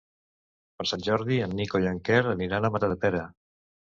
Per Sant Jordi en Nico i en Quer aniran a Matadepera.